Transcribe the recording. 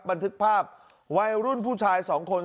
บันทึกภาพวัยรุ่นผู้ชายสองคน